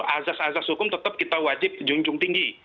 azas azas hukum tetap kita wajib junjung tinggi